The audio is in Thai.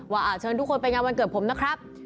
เชิญทุกคนไปงานวันเกิดผมนะครับ